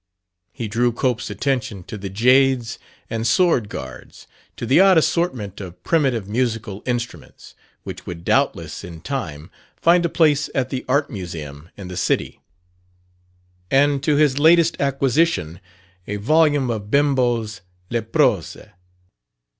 He drew Cope's attention to the jades and swordguards, to the odd assortment of primitive musical instruments (which would doubtless, in time, find a place at the Art Museum in the city), and to his latest acquisition a volume of Bembo's "Le Prose."